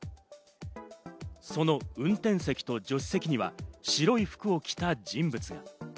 その運転席と助手席には白い服を着た人物。